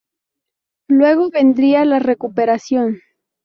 Luego vendría la recuperación.